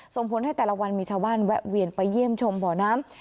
ส่งผลให้แต่ละวันมีชาวบ้านแวะเวียนไปเยี่ยมชมบ่อน้ำ